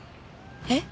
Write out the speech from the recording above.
えっ？